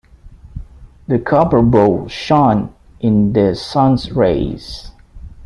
The copper bowl shone in the sun's rays.